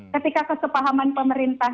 ketika kesepahaman pemerintah